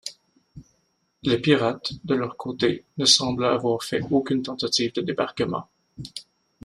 Les pirates, de leur côté, ne semblaient avoir fait aucune tentative de débarquement.